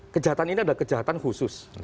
kejahatan ini adalah kejahatan khusus